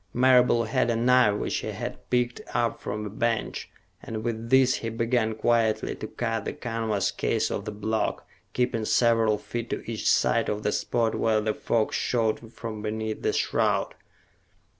Marable had a knife which he had picked up from a bench, and with this he began quietly to cut the canvas case of the block, keeping several feet to each side of the spot where the fog showed from beneath the shroud.